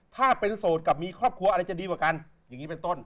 ถ้าเป็นโสดกับมีครอบครัวอะไรจะดีกว่ากันอย่างนี้เป็นต้น